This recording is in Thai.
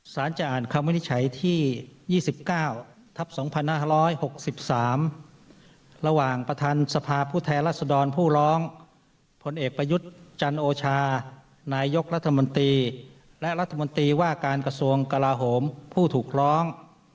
สารจะอ่านคำวินิจฉัยที่๒๙ทับ๒๕๖๓ระหว่างประธานสภาพผู้แทนรัศดรผู้ร้องผลเอกประยุทธ์จันโอชานายกรัฐมนตรีและรัฐมนตรีว่าการกระทรวงกลาโหมผู้ถูกร้อง